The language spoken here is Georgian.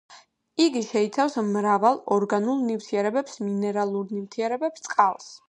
იგი შეიცავს მრავალ ორგანულ ნივთიერებებს, მინერალურ ნივთიერებებს, წყალს.